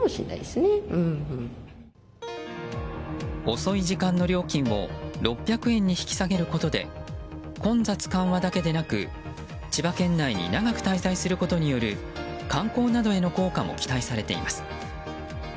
遅い時間の料金を６００円に引き下げることで混雑緩和だけでなく千葉県内に長く滞在することにより観光などへの効果も期待されています。